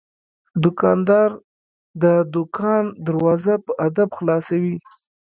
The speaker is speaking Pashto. دوکاندار د دوکان دروازه په ادب خلاصوي.